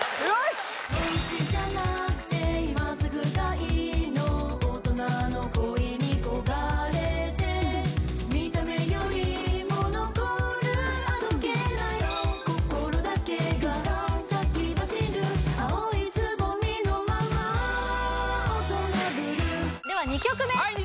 その内じゃなくて今すぐがいいの大人の恋に焦がれて見た目よりも残るあどけない心だけが先走る青い蕾のまま大人振るでは２曲目はい